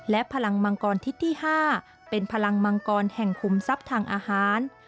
และพลังมังกรทิศที่๕เป็นพลังมังกรแห่งคุมทรัพย์ทางอาหาร